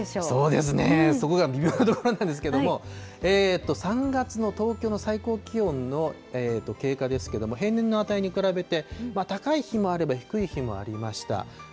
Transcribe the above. そうですね、そこが微妙なところなんですけれども、３月の東京の最高気温の経過ですけれども、平年の値に比べて、高い日もあれば低い日もありました。